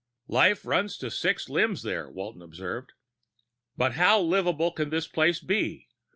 "Life runs to six limbs there," Walton observed. "But how livable can this place be?